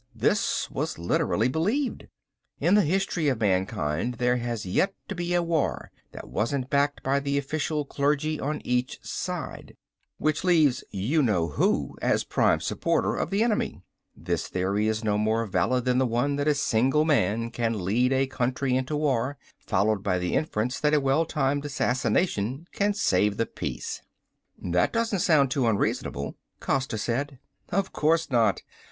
This was literally believed. In the history of mankind there has yet to be a war that wasn't backed by the official clergy on each side. And each declared that God was on their side. Which leaves You Know Who as prime supporter of the enemy. This theory is no more valid than the one that a single man can lead a country into war, followed by the inference that a well timed assassination can save the peace." "That doesn't sound too unreasonable," Costa said. "Of course not.